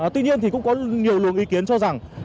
tuy nhiên thì cũng có nhiều luồng ý kiến cho rằng